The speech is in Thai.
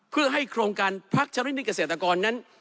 เพื่อให้โครงการพักชนิดเกษตรกรนั้น